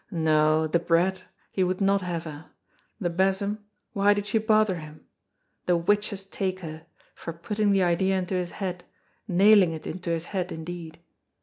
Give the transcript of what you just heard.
No, the brat, he would not have her; the besom, why did she bother him; the witches take her, for putting the idea into his head, nailing it into his head indeed.